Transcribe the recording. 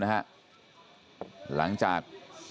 หลังจาก